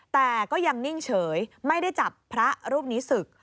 แต่ก็ยังนิ่งเฉยไม่ได้จับพระรูปนี้ศึก